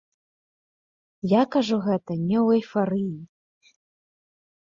Я кажу гэта не ў эйфарыі.